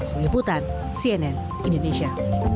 pengiputan cnn indonesia